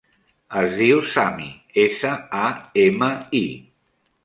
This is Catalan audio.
Es diu Sami: essa, a, ema, i.